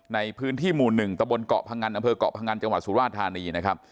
ในพื้นที่หมู่หนึ่งตะบนเกาะพังอันจังหวัดสุราชธานีนะครับ